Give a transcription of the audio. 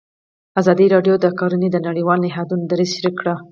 ازادي راډیو د کرهنه د نړیوالو نهادونو دریځ شریک کړی.